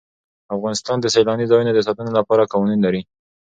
افغانستان د سیلانی ځایونه د ساتنې لپاره قوانین لري.